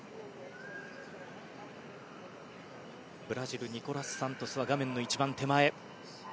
ブラジル、ニコラス・サントスは画面の一番手前。